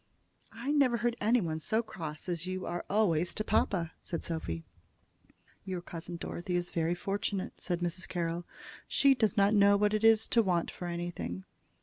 "I never heard anybody so cross as you always are to papa," said Sophy. "Your cousin Dorothy is very fortunate," said Mrs. Carroll. "She does not know what it is to want for anything."